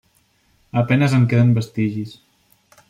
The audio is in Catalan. A penes en queden vestigis.